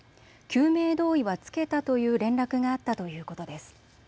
救命胴衣は着けたという連絡があったということです。